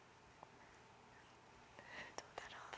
どうだろうな。